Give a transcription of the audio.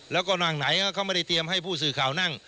แล้วก็นั่งไหนเขาไม่ได้เตรียมให้ผู้สื่อข่าวนั่ง